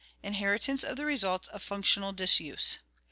Inheritance of the Results of Functional Disuse.